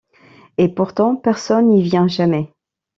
Et pourtant personne n'y vient jamais.